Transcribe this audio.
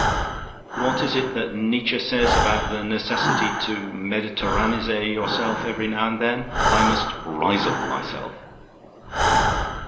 What is it that Nietzsche says about the necessity to mediterranizer yourself every now and then? I must Riseholme myself."